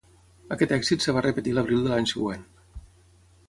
Aquest èxit es va repetir l'abril de l'any següent.